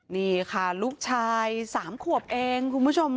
นี่ค่ะลูกชาย๓ขวบเองคุณผู้ชม